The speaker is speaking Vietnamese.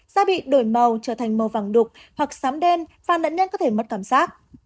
da bị đổi màu trở thành màu vàng đục hoặc sám đen và nạn nhân có thể mất cảm giác